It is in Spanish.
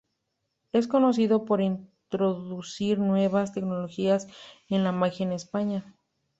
Es conocido por introducir nuevas tecnologías en la magia en España.